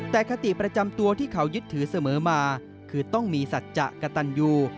แต่คติประจำตัวที่เขายึดถือเสมอมาคือต้องมีสัจจะกระตันยู